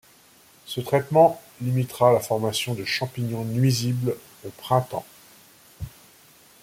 Ce traitement limitera la formation de champignons nuisibles au printemps.